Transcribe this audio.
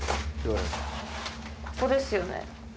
ここですよね